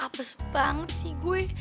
apes banget sih gue